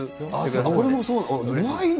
これもそうなの？